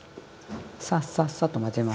さっさっさっと混ぜます。